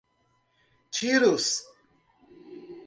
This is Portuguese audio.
Tiros